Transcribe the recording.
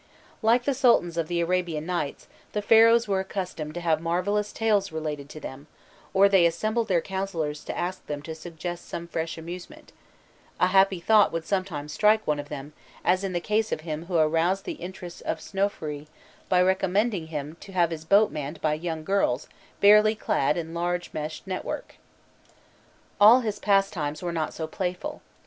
Like the Sultans of the "Arabian Nights," the Pharaohs were accustomed to have marvellous tales related to them, or they assembled their councillors to ask them to suggest some fresh amusement: a happy thought would sometimes strike one of them, as in the case of him who aroused the interest of Snofrûi by recommending him to have his boat manned by young girls barely clad in large meshed network. [Illustration: 037.jpg PHARAOH IN HIS HAREM] Drawn by Faucher Gudin. All his pastimes were not so playful.